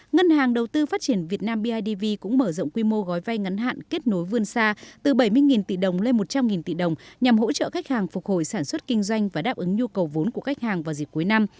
ngân hàng đầu tư phát triển việt nam bidv cũng mở rộng quy mô gói vay ngắn hạn kết nối vươn xa từ bảy mươi tỷ đồng lên một trăm linh tỷ đồng nhằm hỗ trợ khách hàng phục hồi sản xuất kinh doanh và đáp ứng nhu cầu vốn của khách hàng vào dịp cuối năm